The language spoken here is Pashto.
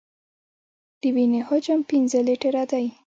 د وینې حجم پنځه لیټره دی.